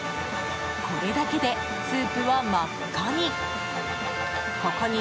これだけでスープは真っ赤に。